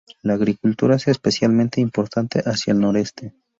La agricultura es especialmente importante hacia el noreste.